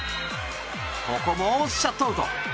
ここもシャットアウト！